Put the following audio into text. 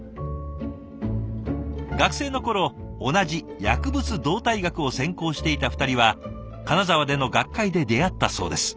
学生の頃同じ薬物動態学を専攻していた２人は金沢での学会で出会ったそうです。